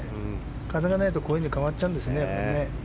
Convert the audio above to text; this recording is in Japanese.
風がないとこういうふうに変わっちゃうんですね。